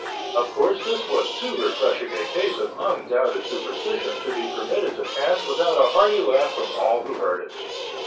Of course this was too refreshing a case of undoubted superstition to be permitted to pass without a hearty laugh from all who heard it.